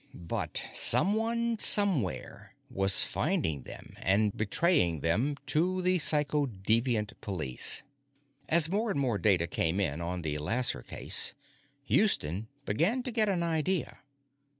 But someone, somewhere, was finding them and betraying them to the Psychodeviant Police. As more and more data came in on the Lasser case, Houston began to get an idea.